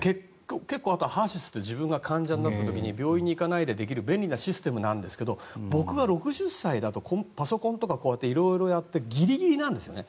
結構、あとＨＥＲ‐ＳＹＳって自分が患者になった時病院に行かなくて済むシステムですが僕のような、６０歳だとパソコンとか、いろいろやってギリギリなんですよね。